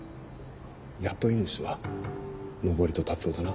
雇い主は登戸龍男だな？